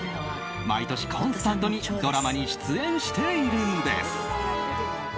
毎年コンスタントにドラマに出演しているんです。